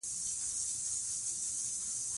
هلمند سیند د افغانستان په اوږده تاریخ کې ذکر شوی.